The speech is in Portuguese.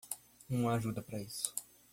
Não há ajuda para isso.